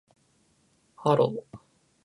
hello